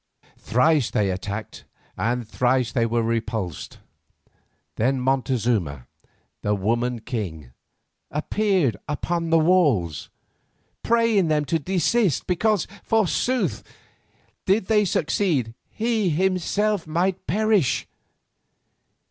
Thrice they attacked, and thrice they were repulsed. Then Montezuma, the woman king, appeared upon the walls, praying them to desist because, forsooth, did they succeed, he himself might perish.